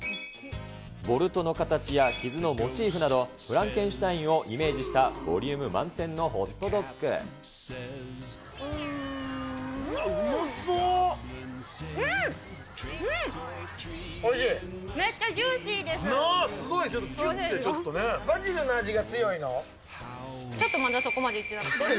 ボルトの形や傷のモチーフなど、フランケンシュタインをイメージしたボリューム満点のホットうまそう。